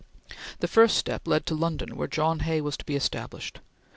The first step led to London where John Hay was to be established.